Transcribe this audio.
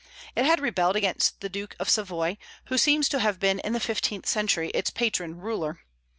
It had rebelled against the Duke of Savoy, who seems to have been in the fifteenth century its patron ruler.